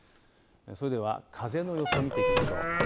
それでは風の予想を見ていきましょう。